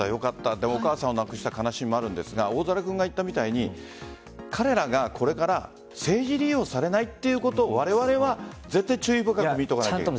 でも、お母さんを亡くした悲しみもあるんですが大空君が言ったみたいに彼らが、これから政治利用されないということを我々は絶対に注意深く見ていかなければいけない。